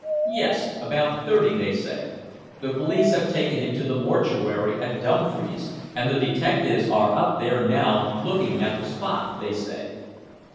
"Yes about thirty, they say. The police have taken him to the mortuary at Dumfries, and the detectives are up there now looking at the spot, they say."